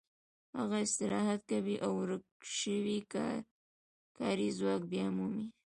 هغه استراحت کوي او ورک شوی کاري ځواک بیا مومي